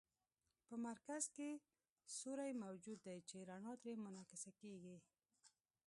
په مرکز کې سوری موجود دی چې رڼا ترې منعکسه کیږي.